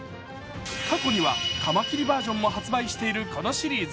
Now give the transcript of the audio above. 過去にはカマキリバージョンも発売しているこのシリーズ。